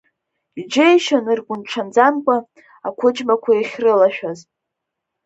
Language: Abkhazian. Иџьеишьон ргәырҽанӡамкәа Ақәыџьмақәа иахьрылашәаз.